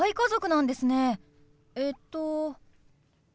えっと？